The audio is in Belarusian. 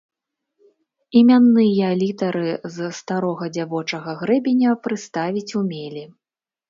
Імянныя літары з старога дзявочага грэбеня прыставіць умелі.